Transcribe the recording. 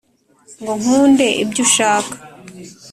Ngo nkunde ibyo ushaka.